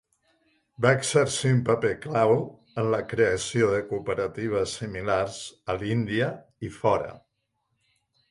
Va exercir un paper clau en la creació de cooperatives similars a l'Índia i fora.